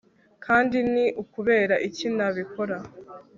kandi ni ukubera iki nabikora